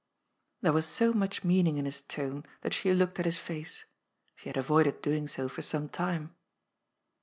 There was so much meaning in his tone that she looked at his face. She had avoided doing so for some time.